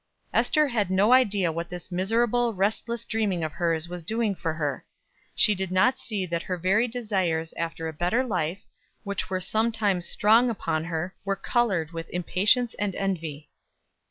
Ester had no idea what this miserable, restless dreaming of hers was doing for her. She did not see that her very desires after a better life, which were sometimes strong upon her, were colored with impatience and envy.